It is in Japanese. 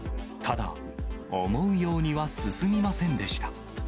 ただ、思うようには進みませんでした。